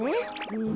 うん。